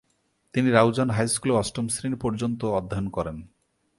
তিনি রাউজান হাইস্কুলে অষ্টম শ্রেণী পর্যন্ত অধ্যয়ন করেন।